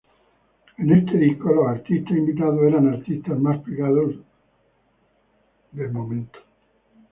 En este disco los artistas invitados eran artistas más pegados del momento.